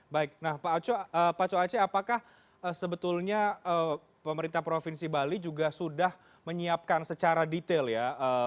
baik nah pak coace apakah sebetulnya pemerintah provinsi bali juga sudah menyiapkan secara detail ya